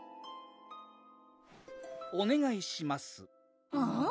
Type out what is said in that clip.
おねがいしますはぁ？